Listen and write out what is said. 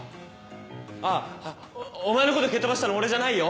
あぁお前のこと蹴っ飛ばしたの俺じゃないよ？